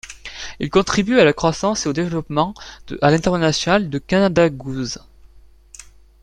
Il contribue à la croissance et au développement à l'international de Canada Goose.